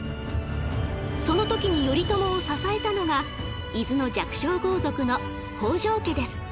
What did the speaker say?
その時に頼朝を支えたのが伊豆の弱小豪族の北条家です。